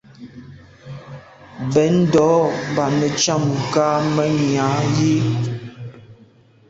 Mbèn ndo’ mba netsham nka menya yi.